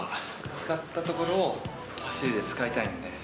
使ったところを走りで使いたいんで。